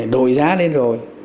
đổi giá lên rồi